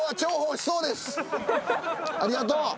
ありがとう。